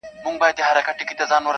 ستا له غمه مي بدن ټوله کړېږي,